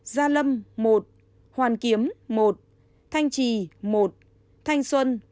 gia lâm một hoàn kiếm một thanh trì một thanh xuân